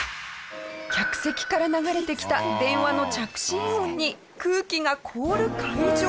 客席から流れてきた電話の着信音に空気が凍る会場。